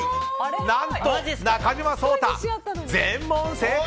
何と、中島颯太、全問正解！